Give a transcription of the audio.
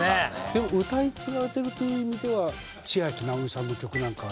でも歌い継がれてるという意味ではちあきなおみさんの曲なんか。